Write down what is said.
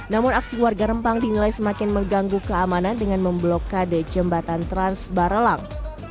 namun aksi warga rempang dinilai semakin mengganggu keamanan dengan memblokade jembatan trans barelang